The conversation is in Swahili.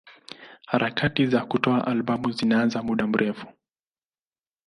Harakati za kutoa albamu zilianza muda mrefu.